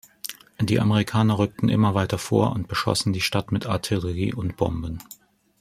Die Amerikaner rückten immer weiter vor und beschossen die Stadt mit Artillerie und Bomben.